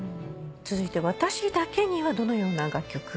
続いて『私だけに』はどのような楽曲になりますか？